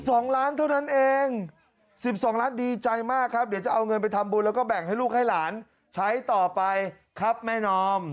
สองล้านเท่านั้นเองสิบสองล้านดีใจมากครับเดี๋ยวจะเอาเงินไปทำบุญแล้วก็แบ่งให้ลูกให้หลานใช้ต่อไปครับแม่นอม